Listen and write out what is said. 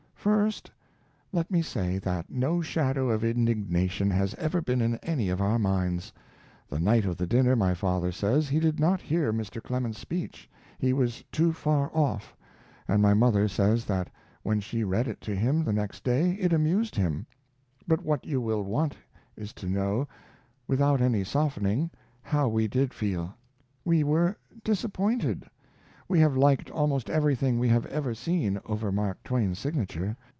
First let me say that no shadow of indignation has ever been in any of our minds. The night of the dinner, my father says, he did not hear Mr. Clemens's speech. He was too far off, and my mother says that when she read it to him the next day it amused him. But what you will want is to know, without any softening, how we did feel. We were disappointed. We have liked almost everything we have ever seen over Mark Twain's signature.